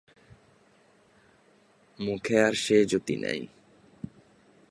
মুখে আর সে জ্যোতি নাই।